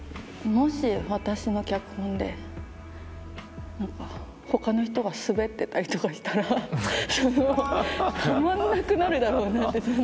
もし私の脚本で他の人がすべってたりとかしたらたまんなくなるだろうなって。